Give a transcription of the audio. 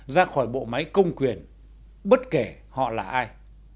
ra khỏi bộ máy công quyền bất kể họ là ai